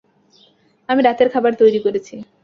আমি রাতের খাবার তৈরি করেছি।